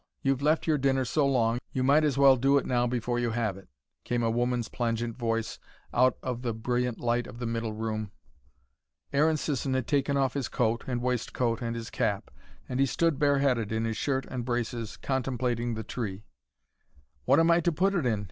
You've left your dinner so long, you might as well do it now before you have it," came a woman's plangent voice, out of the brilliant light of the middle room. Aaron Sisson had taken off his coat and waistcoat and his cap. He stood bare headed in his shirt and braces, contemplating the tree. "What am I to put it in?"